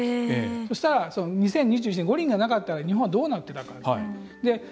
そしたら、２０２１年五輪がなかったら日本どうなっていたのか。